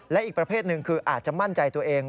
และอีกประเภทหนึ่งคืออาจจะมั่นใจตัวเอง